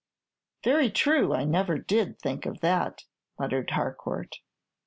"Very true; I never did think of that," muttered Harcourt.